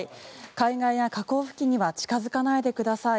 海岸や河口付近には近づかないでください。